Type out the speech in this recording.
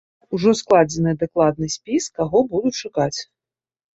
Ужо складзены дакладны спіс, каго будуць шукаць.